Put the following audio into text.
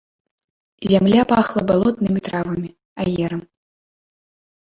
Зямля пахла балотнымі травамі, аерам.